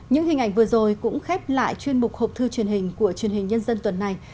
những hình ảnh vừa rồi cũng khép lại chuyên mục hộp thư truyền hình của truyền hình nhân dân tuần này